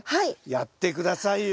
やって下さいよ。